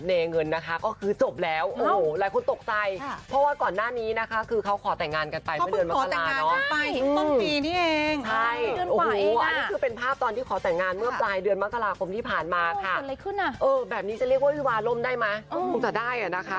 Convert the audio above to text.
คงจะได้อ่ะนะคะได้นะเพราะว่ามีแฟนจะแต่งภายในปีนี้ได้